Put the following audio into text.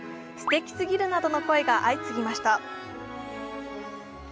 すてきすぎるなどの声が相次ぎました。